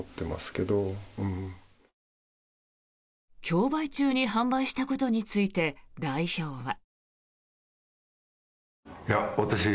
競売中に販売したことについて代表は。